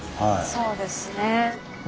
そうですね。